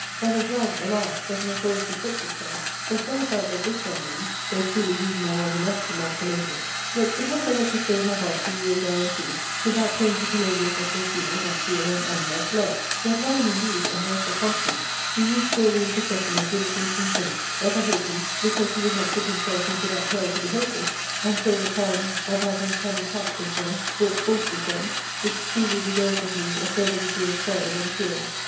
But as love, alas I J. 20O 4RCADIA. ^Book II. doth not always reflect itself,* so fell it out that this Zelmane, though truly reason there was enough to love Palladius, yet could not ever persuade her heart to yield thereunto, with that pain to Palladius as they feel that feel an unloved love ; yet, loving indeed, and therefore constant, he used still the inter cession of diligence and faith, ever hoping, because he would not put himself into that hell to be hopeless, until the time, of our being come and captived there brought forth this end, which truly deserves of me a further degree of sorrow than tears.